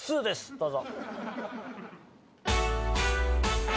どうぞ。